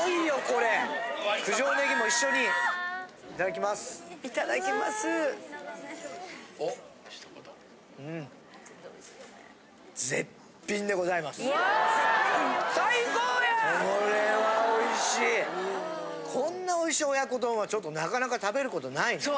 こんなおいしい親子丼はちょっとなかなか食べることないね。